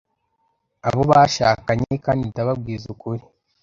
abo bashakanye; kandi ndababwiza ukuri, I.